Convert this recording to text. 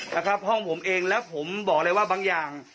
นะครับห้องผมเองแล้วผมบอกเลยว่าบางอย่าง